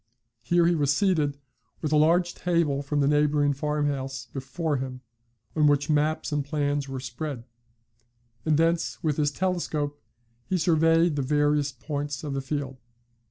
Here he was seated, with a large table from the neighbouring farm house before him, on which maps and plans were spread; and thence with his telescope he surveyed the various points of the field.